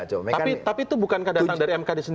tapi itu bukan kedatangan dari mkd sendiri awalnya